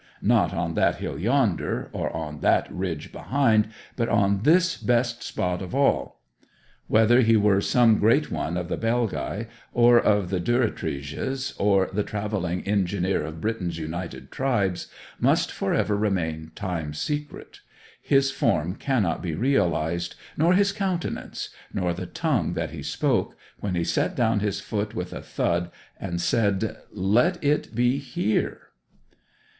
not on that hill yonder, or on that ridge behind, but on this best spot of all? Whether he were some great one of the Belgae, or of the Durotriges, or the travelling engineer of Britain's united tribes, must for ever remain time's secret; his form cannot be realized, nor his countenance, nor the tongue that he spoke, when he set down his foot with a thud and said, 'Let it be here!'